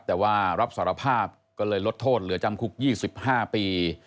แต่ว่ารับสารภาพก็เลยลดโทษเหลือจำคุก๒๕ปี